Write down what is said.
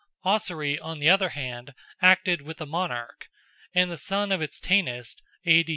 Ossory, on the other hand, acted with the monarch, and the son of its Tanist (A.